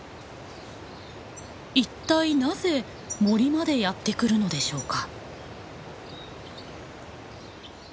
一体なぜ森までやって来るのでしょうか？